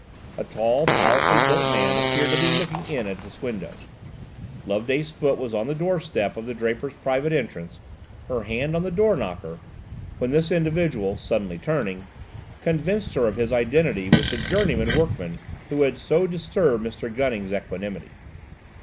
A tall, powerfully built man appeared to be looking in at this window. Loveday's foot was on the doorstep of the draper's private entrance, her hand on the door knocker, when this individual, suddenly turning, convinced her of his identity with the journeyman workman who had so disturbed Mr. Gunning's equanimity.